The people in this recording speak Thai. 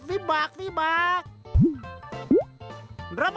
สวัสดีครับ